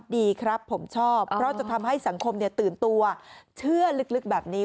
ดีครับผมชอบเพราะจะทำให้สังคมตื่นตัวเชื่อลึกแบบนี้